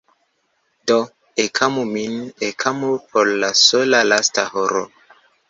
Do ekamu min, ekamu por la sola lasta horo.